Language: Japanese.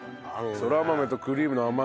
そら豆とクリームの甘み。